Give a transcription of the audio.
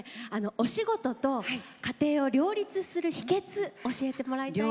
お仕事と家庭を両立する秘けつ教えてもらいたいんですけど。